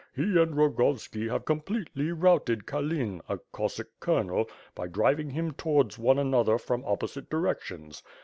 He and Rogovski have completely routed Kalin, a Cossack colonel, by driving him towards one another from opposite directions.